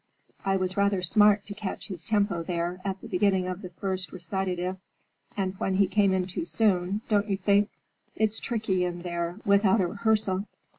"I was rather smart to catch his tempo there, at the beginning of the first recitative, when he came in too soon, don't you think? It's tricky in there, without a rehearsal.